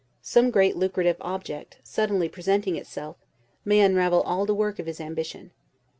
Some great lucrative object, suddenly presenting itself, may unravel all the work of his ambition.